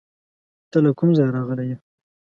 ته له کوم ځایه راغلی یې؟